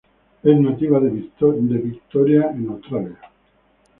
Es nativa de Victoria en Australia.